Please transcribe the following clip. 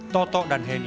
totok dan heni